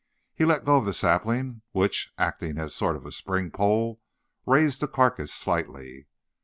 He let go the sapling, which, acting as a sort of spring pole, raised the carcass slightly.